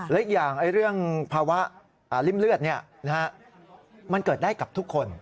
และอีกอย่างเรื่องภาวะริ่มเลือดมันเกิดได้กับทุกคน